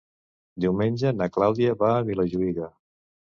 Diumenge na Clàudia va a Vilajuïga.